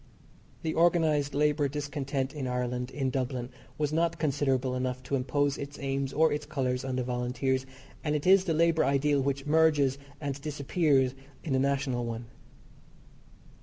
The organised labour discontent in Ireland, in Dublin, was not considerable enough to impose its aims or its colours on the Volunteers, and it is the labour ideal which merges and disappears in the national one.